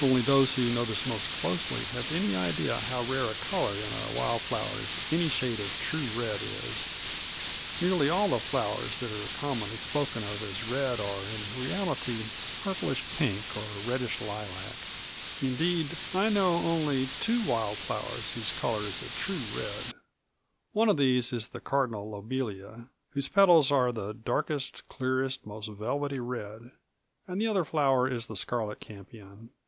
Only those who notice most closely have any idea how rare a color in our wild flowers any shade of true red is. Nearly all the flowers that are commonly spoken of as red are in reality purplish pink or reddish lilac. Indeed I know only two wild flowers whose color is a true red. One of these is the cardinal lobelia, whose petals are of the darkest, clearest, most velvety red; and the other flower is the scarlet campion.